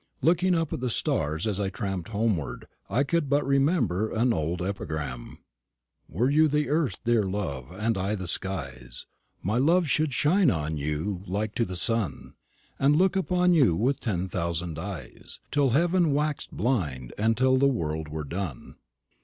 Looking up at the stars as I tramped homeward, I could but remember an old epigram: Were you the earth, dear love, and I the skies, My love should shine on you like to the sun, And look upon you with ten thousand eyes, Till heaven wax'd blind, and till the world were done.